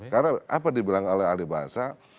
karena apa dibilang oleh alih bahasa